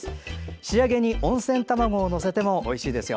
仕上げに温泉卵を載せてもおいしいですよ。